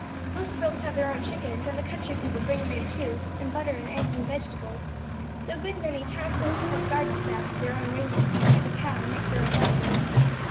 "Most folks have their own chickens, and the country people bring 'em in too; and butter and eggs and vegetables; though a good many town folks have garden sass of their own raisin'; keep a cow and make their own butter."